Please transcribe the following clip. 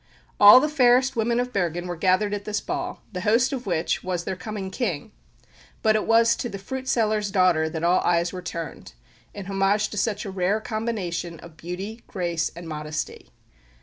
All the fairest women of Bergen were gathered at this ball, the host of which was their coming King, but it was to the fruit seller's daughter that all eyes were turned, in homage to such a rare combination of beauty, grace, and modesty.